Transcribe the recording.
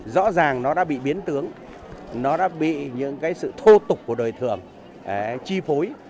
rõ ràng nó đã bị biến tướng nó đã bị những cái sự thô tục của đời thường chi phối